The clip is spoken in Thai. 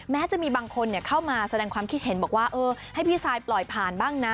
จะมีบางคนเข้ามาแสดงความคิดเห็นบอกว่าเออให้พี่ซายปล่อยผ่านบ้างนะ